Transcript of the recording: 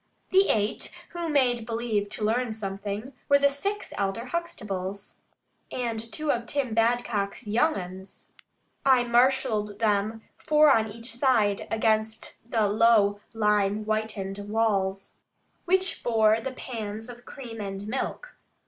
The eight, who made believe to learn something, were the six elder Huxtables, and two of Tim Badcock's "young uns." I marshalled them, four on each side, against the low lime whitened walls, which bore the pans of cream and milk.